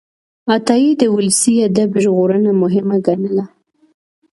عطایي د ولسي ادب ژغورنه مهمه ګڼله.